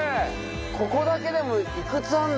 ここだけでもいくつあんだよ